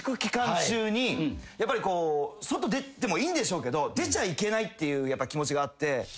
やっぱりこう外出てもいいんでしょうけど出ちゃいけないっていう気持ちがあって。